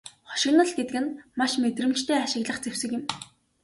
Хошигнол гэдэг нь маш мэдрэмжтэй ашиглах зэвсэг юм.